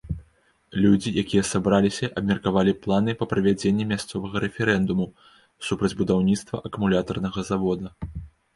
Людзі, якія сабраліся, абмеркавалі планы па правядзенні мясцовага рэферэндуму супраць будаўніцтва акумулятарнага завода.